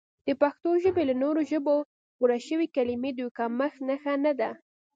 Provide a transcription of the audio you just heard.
د پښتو ژبې له نورو ژبو پورشوي کلمې د یو کمښت نښه نه ده